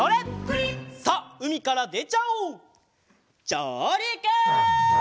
じょうりく！